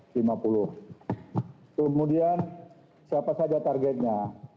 kemudian siapa saja targetnya